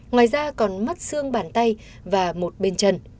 ngoài ra còn mắt xương bàn tay và một bên chân